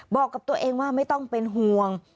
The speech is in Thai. บอกกับตัวเองว่าไม่ต้องเป็นห่วง